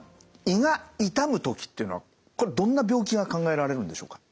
胃が痛む時っていうのはこれどんな病気が考えられるんでしょうか。